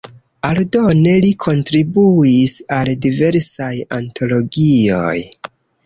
Aldone li kontribuis al diversaj antologioj.